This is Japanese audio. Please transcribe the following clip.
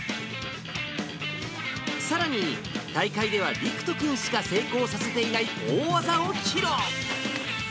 さらに、大会では陸人君しか成功させていない大技を披露。